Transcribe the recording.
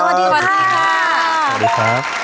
สวัสดีครับ